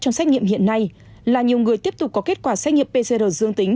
trong xét nghiệm hiện nay là nhiều người tiếp tục có kết quả xét nghiệm pcr dương tính